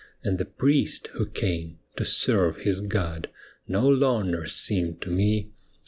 And the priest who came To serve his God, no longer seemed to me.